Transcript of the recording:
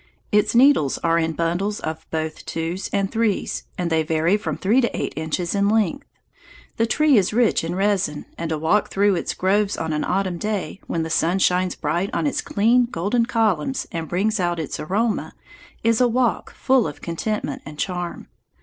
Its needles are in bundles of both twos and threes, and they vary from three to eight inches in length. The tree is rich in resin, and a walk through its groves on an autumn day, when the sun shines bright on its clean golden columns and brings out its aroma, is a walk full of contentment and charm.